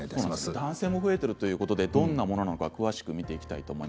男性も増えているということで、どんなものか詳しく見ていきましょう。